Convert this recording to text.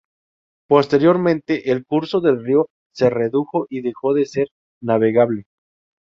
Posteriormente el curso del río se redujo y dejó de ser navegable.